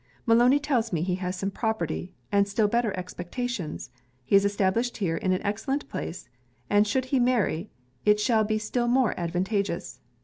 'Maloney tells me he has some property, and still better expectations. He is established here in an excellent place; and should he marry you, it shall be still more advantageous.